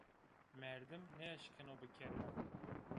Merdim nêeşkeno bikero